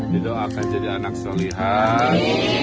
didoakan jadi anak solihah